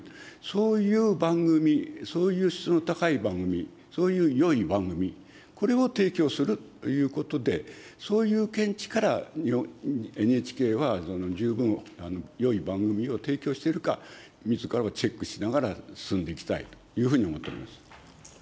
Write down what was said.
そういう番組、そういう質の高い番組、そういうよい番組、これを提供するということで、そういう見地から、ＮＨＫは十分よい番組を提供しているか、みずからをチェックしながら進んでいきたいというふうに思っております。